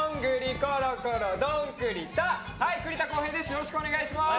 よろしくお願いします。